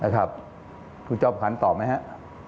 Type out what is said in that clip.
คุณจอมขวานตอบไหมฮะ